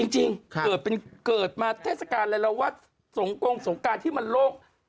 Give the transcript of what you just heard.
จริงเกิดมาเทศกาลตะเลราวัสสงกงที่โรก